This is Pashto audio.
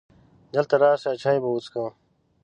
دلته راشه! چای به وڅښو .